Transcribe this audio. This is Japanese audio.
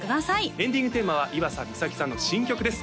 エンディングテーマは岩佐美咲さんの新曲です